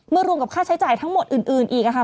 รวมกับค่าใช้จ่ายทั้งหมดอื่นอีกค่ะ